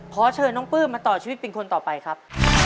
ขอเชิญน้องปลื้มมาต่อชีวิตเป็นคนต่อไปครับ